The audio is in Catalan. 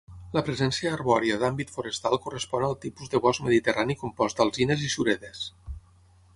La presència arbòria d'àmbit forestal correspon al tipus de bosc mediterrani compost d'alzines i suredes.